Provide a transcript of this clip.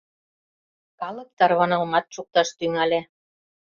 Калык тарванылмат шокташ тӱҥале.